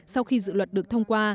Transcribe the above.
sau khi dự luật được thông qua